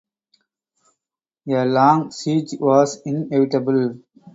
A long siege was inevitable.